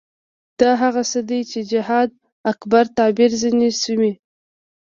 دا هغه څه دي چې جهاد اکبر تعبیر ځنې شوی.